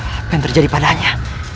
apa yang terjadi padanya